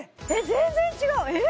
全然違うええ！？